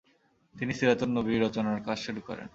তিনি সীরাতুন নবী রচনার কাজ শুরু করেন।